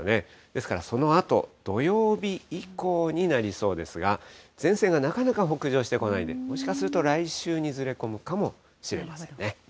ですからそのあと、土曜日以降になりそうですが、前線がなかなか北上してこないんで、もしかすると来週にずれ込むかもしれませんね。